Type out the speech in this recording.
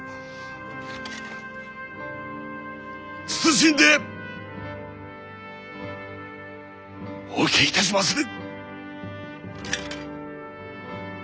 謹んでお受けいたしまする！